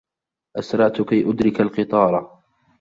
أَسْرَعْتُ كَيْ أُدْرِكَ الْقِطَارَ.